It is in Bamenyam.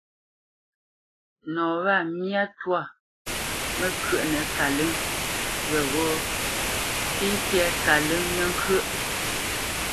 Nɔ̂ wâ myâ ntwá məkyə́ʼnə kalə́ŋ weghó nté tɛ́ kalə́ŋ nə́ ŋkyə́ʼ,